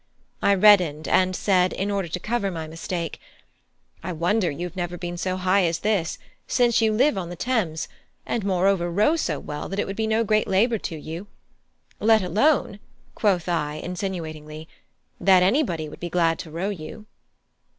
I reddened, and said, in order to cover my mistake: "I wonder you have never been up so high as this, since you live on the Thames, and moreover row so well that it would be no great labour to you. Let alone," quoth I, insinuatingly, "that anybody would be glad to row you."